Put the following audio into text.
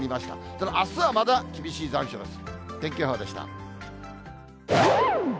ただ、あすはまだ厳しい残暑です。